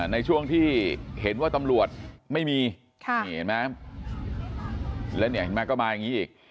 ในช่วงที่เห็นว่าตำรวจไม่มีแล้วเนี่ยก็มาอย่างนี้อีก